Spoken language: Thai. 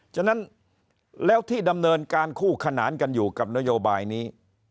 ฉะนั้นแล้วที่ดำเนินการคู่ขนานกันอยู่กับนโยบายนี้